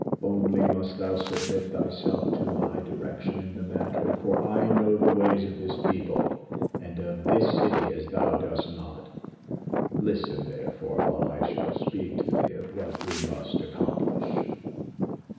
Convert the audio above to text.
Only must thou submit thyself to my direction in the matter, for I know the ways of this people and of this city as thou dost not. Listen therefore while I shall speak to thee of what we must accomplish."